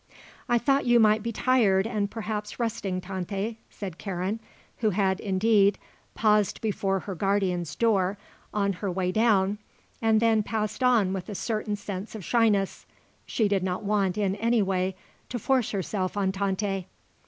"I thought you might be tired and perhaps resting, Tante," said Karen, who had, indeed, paused before her guardian's door on her way down, and then passed on with a certain sense of shyness; she did not want in any way to force herself on Tante.